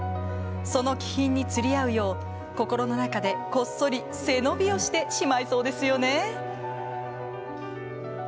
その気品に釣り合うよう心の中でこっそり背伸びをしてしまいそうですよね。